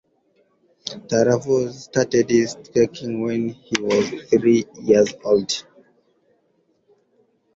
Tarasov started skating when he was three years old.